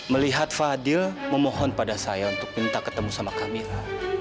melihat fadil memohon pada saya untuk minta ketemu sama kamera